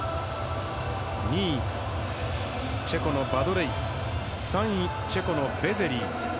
２位、チェコのバドレイフ３位、チェコのベゼリー。